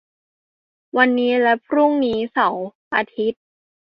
วันนี้และพรุ่งนี้ เสาร์-อาทิตย์